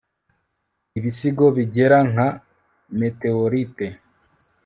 ibisigo bigera nka meteorite